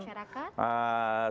sistem ekonomi masyarakat